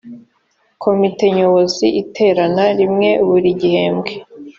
komite nyobozi iterana rimwe buri gihembwe